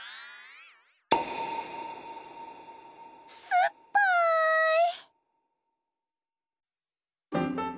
すっぱい！